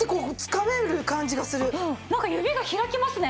なんか指が開きますね。